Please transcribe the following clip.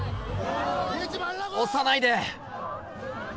押さないで。